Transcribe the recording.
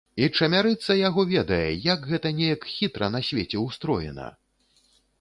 І чамярыца яго ведае, як гэта неяк хітра на свеце ўстроена!